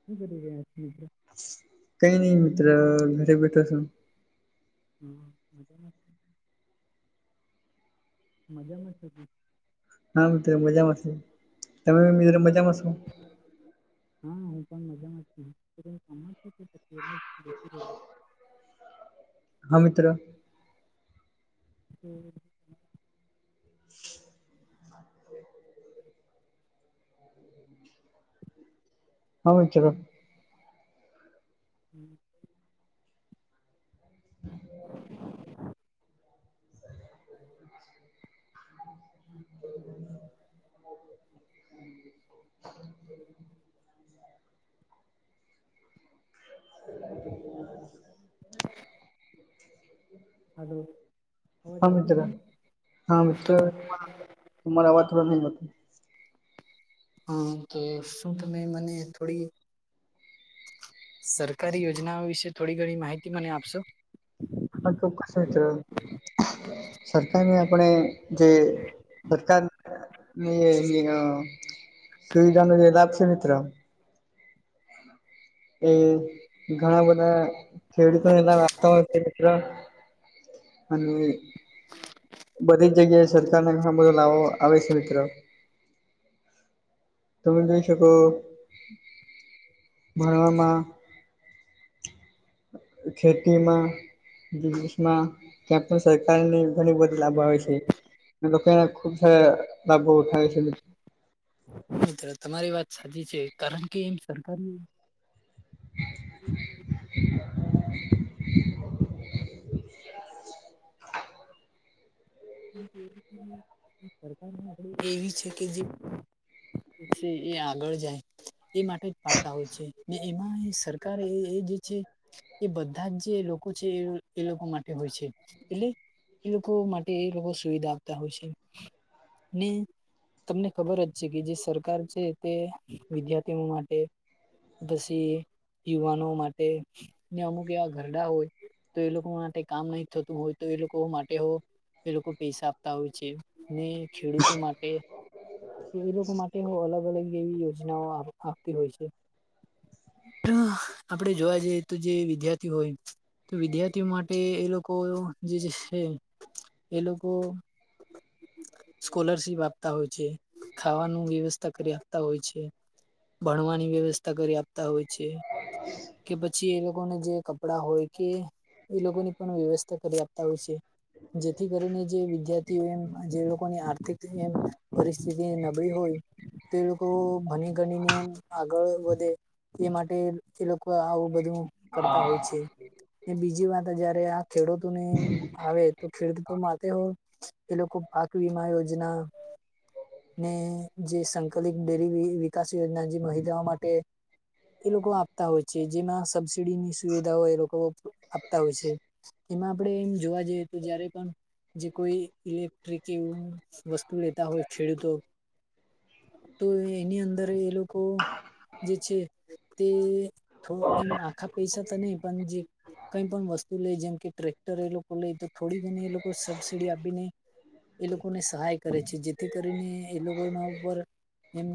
[unintelligible] કઈ નહી મિત્ર ઘરે બેઠો છુ. હમ મજામાં. મજામાં છે તું. હા મિત્રો મજામાં શે તમે મિત્રો મજામાં શો. હા હુ પણ મજામાં [unintelligible] હા મિત્ર [unintelligible] આવે છે [unintelligible] હમ્મ. [unintelligible] [unintelligible] હલો અવાજ હા આવ તો મિત્ર છે [inaudible] તમારે આવાજ થોડા [unintelligible] હા તો શૂ તમે મને થોડી સરકારી યોજનાઓ વિશે થોડી ઘણી માહિતી મને આપશો? [unintelligible] સરકારને આપણે જે સરકાર ન એના સુવિધાનો જે લાભશે મિત્ર એ ઘણા બધા ખેડૂતો એ [unintelligible] મિત્ર અને [unintelligible] બધી જ જગ્યાએ સરકારને [unintelligible] બધો લાવો આવે છે મિત્ર. તમે જોઈ શકો. ભરવામાં [inaudible] ખેતીમાં બિજનેસમાં ક્યાં પણ સરકારની ઘણી બધી લાગૂ આવે છે, જો કે ખૂબ સારા લાભો થાય છે, તમારી વાત સાચી છે, કારણ કે એમ સરકારની, [unintelligible] [unintelligible] [unintelligible] એવી છે કે જે, જે એ આગળ જાય એ માટે, પાડતા હોય છે ને એમાં સરકાર એ જે છે, એ બધા જ જે લોકો છે એ એ લોકો માટે હોય છે, એટલે એ લોકો માટે એ લોકો સુવિધા આપતા હોય ને, તમને ખબર જ છે, કે જે સરકાર છે તે વિદ્યાર્થીઓ માટે, પછી યુવાનો માટે ને અમુક એવા ઘરડા હોય. તો એ લોકો માટે કામ નહી થતું હોય તો એ લોકો માટે હો એ લોકો પૈસા આપતા હોય છે ને ખેડૂતો માટે, એ લોકો માટે અલગ અલગ એવી યોજનાઓ આ આપતી હોય છે, આપડે જોવા જઈએ તો જે વિદ્યાર્થી હોય. તો વિદ્યાર્થીઓ માટે એ લોકો જે છે, એ લોકો, સ્કોલરશિપ આપતા હોય છે, ખાવાનું વ્યવસ્થા કરી આપતા હોય છે, ભણવાની વ્યવસ્થા કરી આપતા છે, કે પછી એ લો લોકોને જે કપડા હોય કે એ લોકો ની પણ વ્યવસ્થા કરી આપતા હોય છે, [unintelligible] જેથી કરીને જે વિદ્યાર્થીઓ એમ જે લોકોની આર્થિક એમ પરિસ્થિતિ નબળી હોય, તે લોકો ભણી ગણીને આગળ વધે. તે માટે તે લોકો આવું બધું, કરતા હોય છે, ને બીજી વાત જયારે આ ખેડૂતોને આવે તો, ખેડૂતોમાં હો એ લોકો પાક વીમા યોજના, ને જે સંકલિત ડેરી વિકાસ યોજના જે મહિલાઓ માટે, એ લોકો આપતા હોય જેમાં સબસીડીની એ લોકો આપતા હોય છે, એમાં આપડે એમ જોવા જઈએ તો જયારે પણ, જે કોઈ ઇલેક્ટ્રિક એવું વસ્તુ લેતા હોય ખેડૂતો, તો એની અંદર એ લોકો જે છે, તે એમ આખા પૈસા તો નહી પણ જે, કઈ પણ વસ્તુ લે જેમ કે ટ્રેક્ટર એ લોકો લે તો થોડી ઘણી એ લોકો સબસીડી આપીને, એ લોકોને સહાય કરે છે, જેથી કરીને એ લોકોના ઉપર, એમ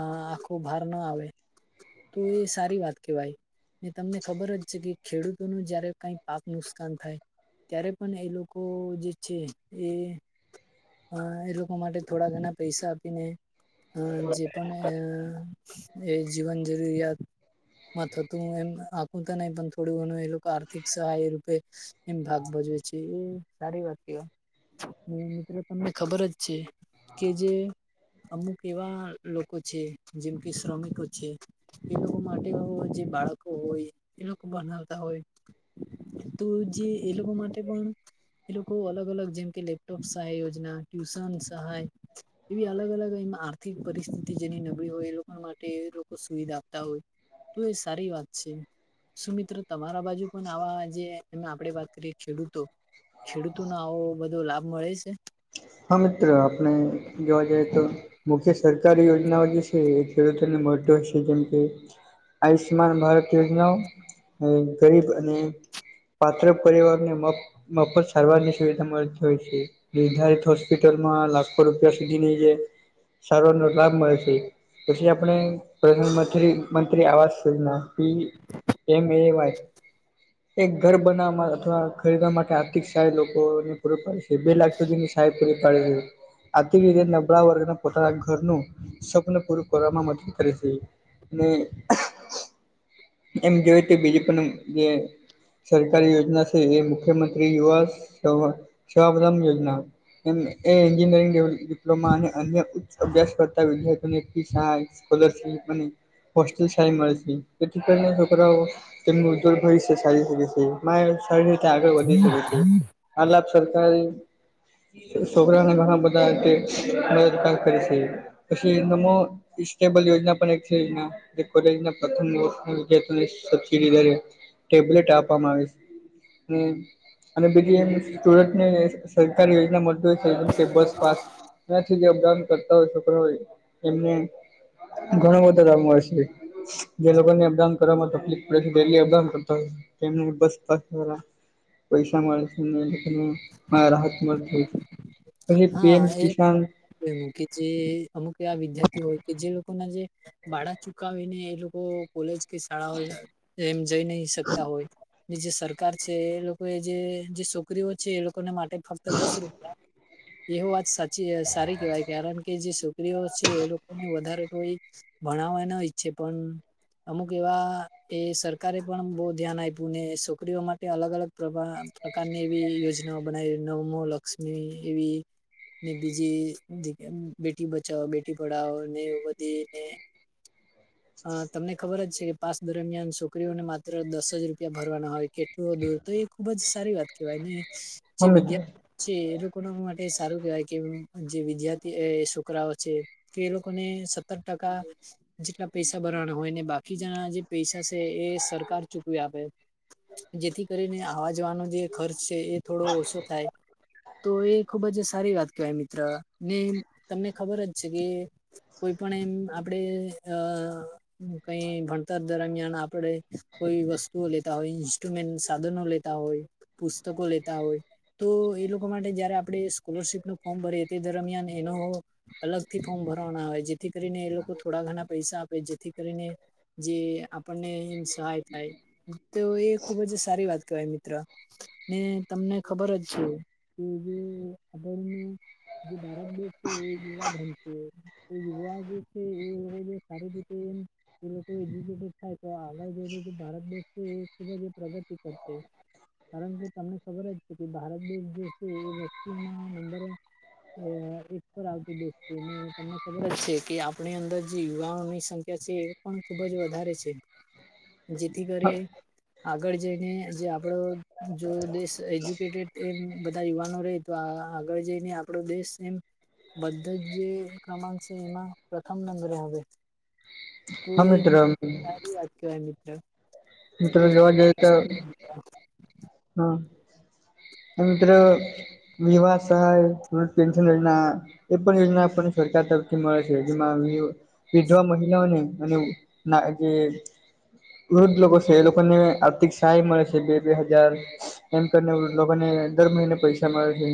આખો ભાર ના આવે. તો એ સારી વાત કેહેવાય. ને તમને ખબર જ કે ખેડૂતો જયારે કાઈ પાક નુકસાન થાય. ત્યારે પણ એ લોકો જે છે, એ હ એ લોકો માટે થોડા ઘણા પૈસા આપીને. અ જે પણ અ એ જીવન જરૂરિયાત. માં થતું એમ આખું તો નહી પણ થોડું ઘણું એ લોકો આર્થિક સહાય રૂપે, એમ ભાગ ભજવે છે, એ સારી વાત કે હ મિત્રો તમને ખબર જ છે, કે જે, અમુક એવા લોકો છે જેમ કે શ્રમિકો છે, એ લોકો માટે જે બાળકો હોય એ લોકો બનાવતા હોય. તો જે એ લોકો માટે પણ એ લોકો અલગ અલગ જેમ કે લેપટોપ સહાય યોજના, ટ્યુશન સહાય એવી અલગ અલગ એ આર્થિક પરિસ્થિતિ જેની નબળી હોય એ લોકો માટે લોકો સુવિધા આપતા હોય. તો એ સારી વાત છે સુ મિત્ર તમારા બાજુ પણ આવા જે એમાં આપડે વાત કરીએ ખેડૂતો ખેડૂતોનો આવો બધો લાભ મળે છે? હા મિત્ર આપણે જોવા જએ તો મુખ્ય સરકારી યોજનાઓ જે છે એ ખેડૂતોને મળતા હોય છે જેમ કે આયુષ્માન ભારત યોજનાઓ ને ગરીબ અને પાત્ર પરિવારને મફ મફત સારવાર ની સુવિધા મળતી હોય છે નિર્ધારિત હોસ્પિટલમાં લાખો રૂપિયા સુધીની જે સારવારનો લાભ મળે છે પછી આપણે પ્રધાનમંત્રી મંત્રી આવાસ યોજના પી એમ એ વાય એક ઘર બનાવવામાં અથવા ખરીદવા માટે આર્થિક સહાય લોકોને પૂર પાડે છે બે લાખ સુધીની એ પાળજ આર્થિક રીતે નબળા વર્ગને પોતાના ઘરનું સ્વપ્ન પૂરું કરવામાં મદદ કરે છે. અને એમ જોય તો બીજ પન જે સરકારી યોજના છે એ મુખ્યમંત્રી યુવા સવ સ્વલમ યોજના. એમ એન્જિનિયરિંગ ડેવ ડિપ્લોમા અને અન્ય ઉચ્ચ અભ્યાસ કરતા વિદ્યાર્થીઓને ફી સાયન્સ પ્રદર્શન પણ [unintelligible] સહાય મળે છે એથી [unintelligible] છોકરાઓ તેમનું ઉજ્વલ ભવિષ્ય ચાલી શકે છે. [unintelligible] થરી રતે આગળ વધી શકે છે આ લાભ સરકારી છોકરાને ઘણા બધા રીતે મદદગાર કરે છે પછી નમ ઇસ્ટેબલ યોજના પણ એક છે યોજના જે કોલેજના પ્રથમ [unintelligible] સબસડી ટેબલેટ આપવામાં આવે છે. અને અને બીજી એ સ્ટુડન્ટને [unintelligible] સરકારી યોજના મજૂર થઈ છે જેમ કે બસ પાસ ત્યાંથી જે અપડાઉન કરતા હોય છોકરા હોય એમને ઘણા બધા ગામ હશે. જે લોકો ને અપદાન કરવામાં તકલીફ પડે છે તેલી અપદાન કરતાય. કેમને બસ પા વાળ પૈસા મળે છે. રાહત મળ [unintelligible] હા એ એમ કે જે અમુક એવા વિદ્યાર્થી હોય કે જે લોકોના જે ભાડા ચુકાવીને એ લોકો કોલેજ કે શાળાઓ એમ જઈ નહી શકતા હોય ની જે સરકાર છે એ લોકો એ જે જે છોકરીઓ છે એ લોકોને માટે ફક્ત દસ રૂપિયા એ વાત સાચી સારી કહેવાય કારણ કે જે છોકરીઓ છે એ લોકોને વધારે તોઈ ભણાવવા ન ઈચ્છે પણ અમુક એવા એ સરકારે પણ બહુ ધ્યાન આપ્યું ને છોકરીઓ માટે અલગ અલગ પ્રભ પ્રકારની એવી યોજનાઓ બનાવી નમો લક્ષ્મી એવી ને બીજી જગ્યા બેટી બચાવો બેટી પઢાવો ને એવ બધીને [inaudible] અ તમને ખબર જ છે કે પાસ દરમિયાન છોકરીઓને માત્ર દસ જ રૂપિયા ભરવાના હોય કે દૂર તો એ ખૂબ જ સારી વાત કેહેવાય ને જે હા મિત્ર વિદ્યાર્ છે એ રૂ કૉનો માટે સારું કેવાય કે જે વિદ્યાર્થી એ છોકરાઓ છે કે એ લોકોને સત્તર ટકા જેટલા પૈસા બરવાના હોય ને બાકી જના જે પૈસા છે એ સરકાર ચૂકવી આપે. જેથી કરીને આવા જવાનો જે ખર્ચ છે એ થોડો ઓછો થાય. તો એ ખુબ જ સારી વાત કહેવાય મિત્ર ને તમને ખબર જ છે કે કોઈ પણ એમ આપડે અ કઈ ભણતર દરમિયાન આપડે કોઈ વસ્તુઓ લેતા હોય ઈન્સ્ટ્રુમેન્ટ સાધનો લે તા હોય પુસ્તકો લેતા હોય તો એ લો કો માટે જયારે આપણે સ્કોલરશીપનુ ફોર્મ ભરીએ તે દરમિયાન એનો અલગથી ફોર્મ ભરવાના આવે જેથી કરીને એ લોકો થોડા ઘણા પૈસા આપે જેથી કરીને જે આપણને એમ સહાય થાય. તો એ ખુબ જ સારી વાત કહેવાય મિત્ર ને તમને ખબર જ છે એ જે અદરની જે ભારત દેશ છે એ [unintelligible] વાશે એ યુવા જે છે એ સારી રીતે એ એ લોકો એજુકેડ થાય તો આ ભારત દેશ છે એ ખુબ પ્રગતિ કરશે. કારણ કે તમને ખબર જ કે ભારત દેશ જે છે એ વસ્તીમાં અંદર એ એક પર આવતી વસ્તી ને ખબર છે કે આપણી અંદર જે યુવાઓની સંખ્યા છે એ પણ ખુબ જ વધારે છે. જેથી કરે હા આગળ જઈને જે આપડો જો દેશ એજ્યુકેટેડ એ બધા યુવાનો રેય તો આગળ જઈને આપણો દેશ એમ બધા જ ક્રમાંક છે એમ પ્રથમ નંબરે આવે. તો હા એ મિત્ર સારી વાત કેવાય મિત્ર. મિત્ર તો જોવા જઈએ તો હા મિત્ર વિવાહ સહાય [unintelligible] પેન્શન હો ના એ પણ યોજના આપણને સરકાર તરફથી મળે છે જેમાં વિધવા મહિલાઓને અને ના જે વૃદ્ધ લોકો એ લોકોને આર્થિક સહાય મળે છે બે બે હજાર એમ કરીને લોકોને દર મહિને પૈસા મળે છે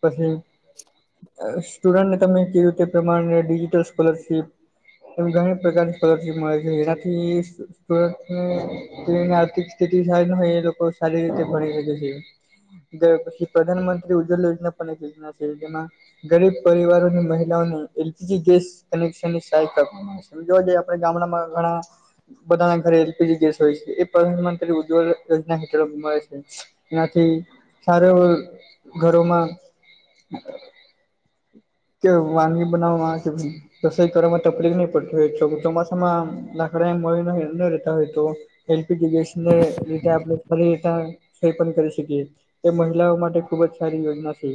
પછી [unintelligible] સ્ટુડન્ટને તમે કીધું તે પ્રમાણે ડિજિટલ સ્કોલરશીપ એમ ઘણી પ્રકારની સ્કોલરશીપ મળે છે એનાથી સુરતને જેની આર્થિક સ્થિતિ સારી ના હોય એ લોકો સારી રીતે ભણી શકે છે. [unintelligible] પછી પ્રધાનમંત્રી ઉજ્જવલ યોજના પણ એક યોજના છે જેમાં ગરીબ પરિવારો અને મહિલાઓને એલપીજી ગેસ કનેક્શનની સહાયતા આપ સમજો ને આપડા ગામડામાં ઘણા બધાના ઘરે એલપીજી ગેસ હોય છે એ પ્રધાનમંત્રી ઉજ્જવલ યોજના હેઠળ મળે છે. એનાથી સારું એવું ઘરોમાં કે વાનગી બનાવવામાં આવે [unintelligible] રસોઇ કરવામાં તપલીફ નહી પડતી હોય એટલો ચોમાસામાં લાકડા મળી ન રહેતા હોય તો એલપીજી ગેસને લીધે આપડે [unintelligible] કરી શકીએ એ મહિલાઓ માટે ખુબ જ સારી યોજના છે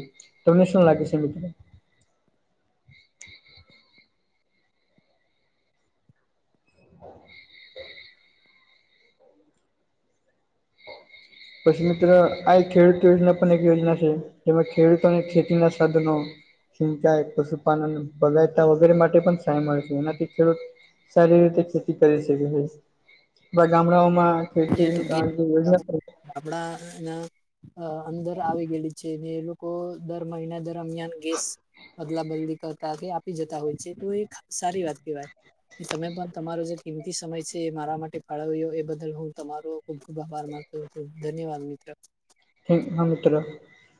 તમને શું લાગે છે મિત્ર. [inaudible] હા [inaudible] પછી મિત્ર આ એક ખેડૂત પણ એક છે જેમાં ખેડૂતોને ખેતીના સાધનો સિંચાઈ, પશુપાલન, બગાયતા વગેરે માટે પણ સહાય મળે છે એનાથી ખેડૂત સારી રીતે ખેતી કરી શકે છે. બ ગામડાઓમાં ખેતી અ જે યોજના [unintelligible] આપડા ના અ અંદર આવી ગયેલી છે ને એ લોકો દર મહિના દરમિયાન કેસ અદલા બદલી કરતા કે આપી જતા હોય છે તો એક સારી વાત કહેવાય. એ તમે પણ તમારો જે કિંમતી સમય છે એ મારા માટે ફાળવ્યો એ બદલ હું તમારો ખુબ ખુબ આભાર માનું છુ ધન્યવાદ મિત્ર. એ હા મિત્ર.